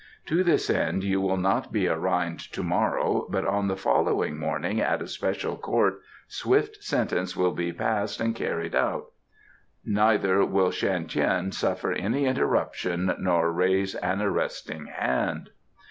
To this end you will not be arraigned to morrow, but on the following morning at a special court swift sentence will be passed and carried out, neither will Shan Tien suffer any interruption nor raise an arresting hand."